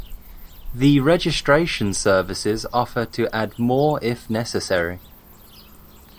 The registration services offer to add more if necessary.